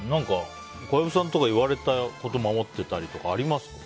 小籔さんとか言われたこと守ってたりとかありますか？